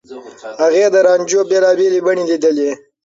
هغې د رانجو بېلابېلې بڼې ليدلي.